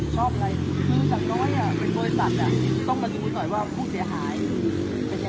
ตอนนี้กำหนังไปคุยของผู้สาวว่ามีคนละตบ